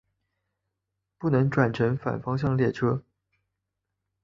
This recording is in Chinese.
不能转乘反方向列车。